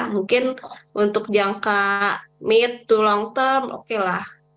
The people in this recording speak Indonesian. mungkin untuk jangka meet to long term oke lah